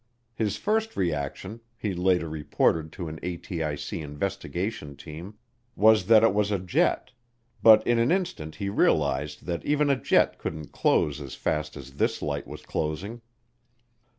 His first reaction, he later reported to an ATIC investigation team, was that it was a jet, but in an instant he realized that even a jet couldn't close as fast as this light was closing.